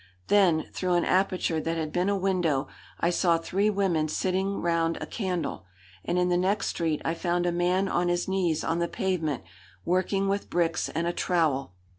Then through an aperture that had been a window I saw three women sitting round a candle. And in the next street I found a man on his knees on the pavement, working with bricks and a trowel.